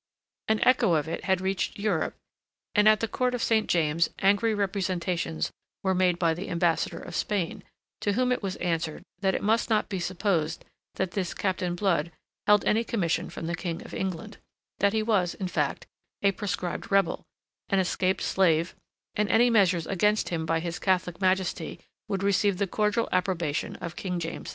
An echo of it had reached Europe, and at the Court of St. James's angry representations were made by the Ambassador of Spain, to whom it was answered that it must not be supposed that this Captain Blood held any commission from the King of England; that he was, in fact, a proscribed rebel, an escaped slave, and that any measures against him by His Catholic Majesty would receive the cordial approbation of King James II.